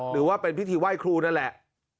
หรือว่าเป็นพิธีไหว้ครูนั่นแหละ